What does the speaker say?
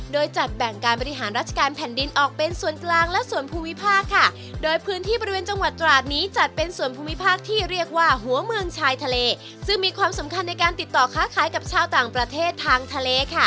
โดยจัดแบ่งการบริหารราชการแผ่นดินออกเป็นส่วนกลางและส่วนภูมิภาคค่ะโดยพื้นที่บริเวณจังหวัดตราดนี้จัดเป็นส่วนภูมิภาคที่เรียกว่าหัวเมืองชายทะเลซึ่งมีความสำคัญในการติดต่อค้าขายกับชาวต่างประเทศทางทะเลค่ะ